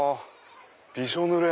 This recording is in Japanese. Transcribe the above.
びしょぬれ！